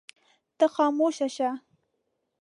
ته خاموش شه.